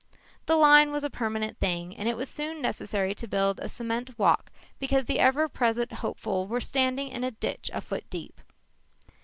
The line was a permanent thing and it was soon necessary to build a cement walk because the ever present hopeful were standing in a ditch a foot deep.